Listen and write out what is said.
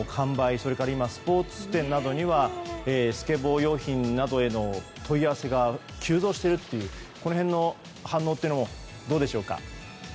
それから、スポーツ店にはスケボー用品などへの問い合わせが急増しているというこの辺の反応というのもどうでしょうか？